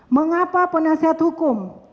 mengapa penasehat hukum